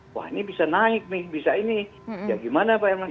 wah ini bisa naik nih bisa ini ya gimana pak irman